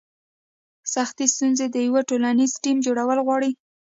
سختې ستونزې د یو ټولنیز ټیم جوړول غواړي.